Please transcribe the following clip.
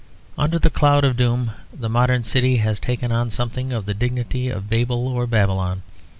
Under the cloud of doom the modern city has taken on something of the dignity of Babel or Babylon.